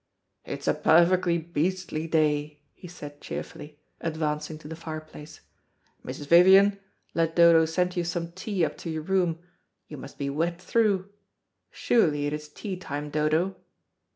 "It's a perfectly beastly day," he said cheerfully, advancing to the fireplace. "Mrs. Vivian, let Dodo send you some tea up to your room. You must be wet through. Surely it is tea time, Dodo."